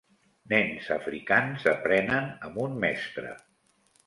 Nens africans aprenen amb un mestre.